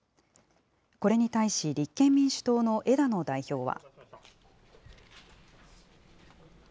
これに対し立憲民主党の枝野代表は。